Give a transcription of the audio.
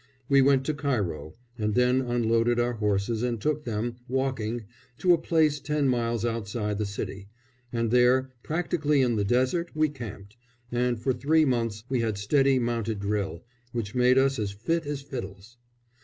We went to Cairo, and then unloaded our horses and took them, walking, to a place ten miles outside the city; and there, practically in the desert, we camped, and for three months we had steady mounted drill, which made us as fit as fiddles.